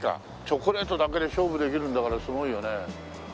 チョコレートだけで勝負できるんだからすごいよね。